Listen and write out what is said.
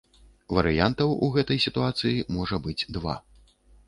Варыянтаў у гэтай сітуацыі можа быць два.